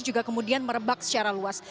juga kemudian merebak secara luas